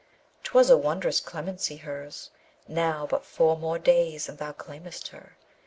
'Twas a wondrous clemency, hers! Now but four more days and thou claimest her.